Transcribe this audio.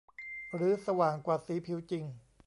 หรือสว่างกว่าสีผิวจริง